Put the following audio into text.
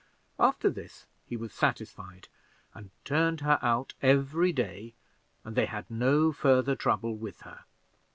After this he was satisfied, and turned her out every day, and they had no further trouble with her.